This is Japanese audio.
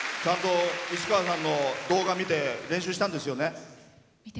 市川さんの動画を見て練習したんですよね。